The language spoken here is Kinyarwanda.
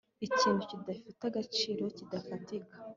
ikintu kitagifite agaciro kidafatika